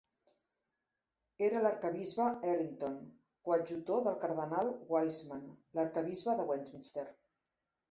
Era l'arquebisbe Errington, co-adjutor del cardenal Wiseman, l'arquebisbe de Westminster.